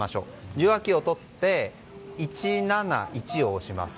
受話器を取って１７１を押します。